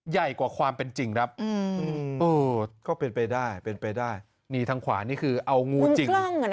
ใหญ่กว่าความเป็นจริงทังความนี่คือเอางู่จริง